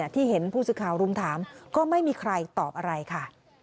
ที่เห็นผู้สื่อข่าวรุมถามก็ไม่มีใครตอบอะไรค่ะ